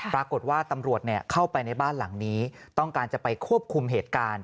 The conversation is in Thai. ปรากฏว่าตำรวจเข้าไปในบ้านหลังนี้ต้องการจะไปควบคุมเหตุการณ์